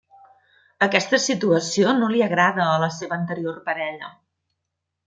Aquesta situació no li agrada a la seva anterior parella.